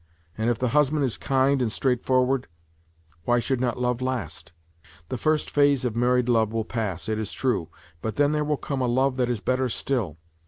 And if the husband is kind and straightforward, why should not love last ? The first phase of married love will pass, it is true, but then there will come a love that is better still.